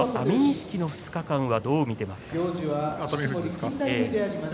富士の２日間どう見ていますか？